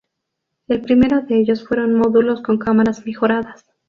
El primero de ellos fueron módulos con cámaras mejoradas.